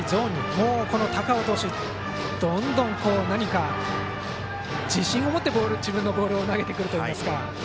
もう高尾投手はどんどんと自信を持って自分のボールを投げてくるといいますか。